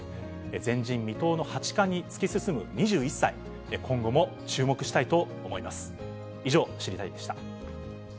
前人未到の八冠に突き進む２１歳、今後も注目したいと思います。